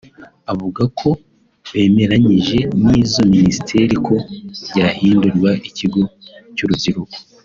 avuga ko bemeranyije n’izo minisiteri ko ryahindurwa ikigo cy’urubyiruko